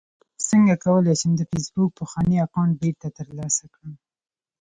څنګه کولی شم د فېسبوک پخوانی اکاونټ بیرته ترلاسه کړم